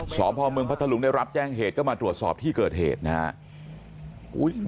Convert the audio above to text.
สอบพ่อเมืองพัทธลุงได้รับแจ้งเหตุก็มาตรวจสอบที่เกิดเหตุนะครับ